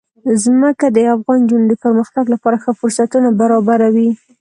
ځمکه د افغان نجونو د پرمختګ لپاره ښه فرصتونه برابروي.